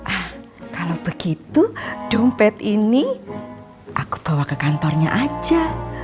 ah kalau begitu dompet ini aku bawa ke kantornya aja